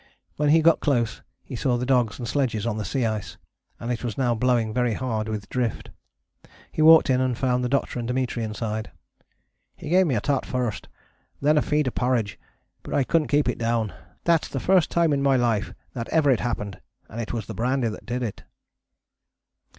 When he got close he saw the dogs and sledges on the sea ice, and it was now blowing very hard with drift. He walked in and found the Doctor and Dimitri inside. "He gave me a tot first, and then a feed of porridge but I couldn't keep it down: thats the first time in my life that ever it happened, and it was the brandy that did it."